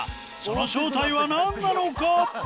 その正体は何なのか？